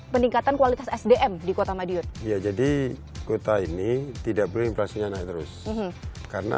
peningkatan kualitas sdm di kota madiun ya jadi kota ini tidak boleh infrastrukturnya naik terus karena